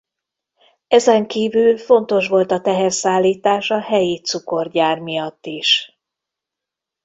Ezen kívül fontos volt a teherszállítás a helyi cukorgyár miatt is.